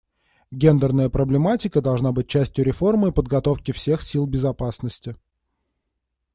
Гендерная проблематика должна быть частью реформы и подготовки всех сил безопасности.